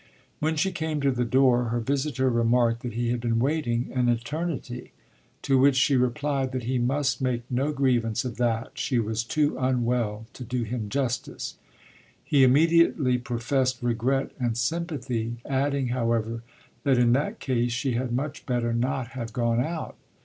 When she came to the door her visitor remarked that he had been waiting an eternity; to which she replied that he must make no grievance of that she was too unwell to do him justice. He immediately professed regret and sympathy, adding, however, that in that case she had much better not have gone out.